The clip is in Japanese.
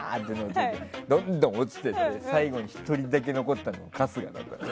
どんどん落ちていって最後に１人だけ残ったのが春日だったの。